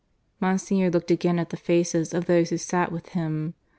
Monsignor looked again at the faces of those who sat with him.